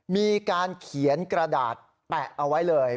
มีการเขียนกระดาษแปะเอาไว้เลย